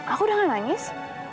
aku udah gak nangis